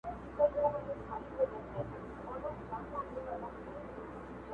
ته راته وعده خپل د کرم راکه,